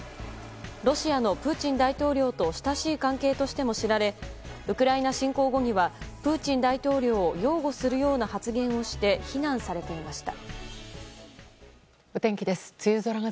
ロシアのプーチン大統領と親しい関係しても知られウクライナ侵攻後にはプーチン大統領を擁護するような発言をして非難されていました。